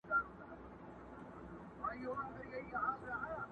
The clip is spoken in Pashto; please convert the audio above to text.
ما توبه نه ماتوله توبې خپله جام را ډک کړ،